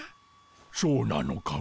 そうなのかモ？